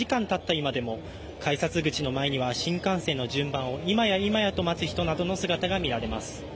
今でも改札口の前には新幹線の順番を今や今やと待つ人の姿が見えます。